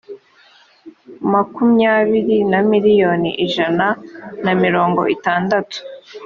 makumyabiri na miliyoni ijana na mirongo itandatu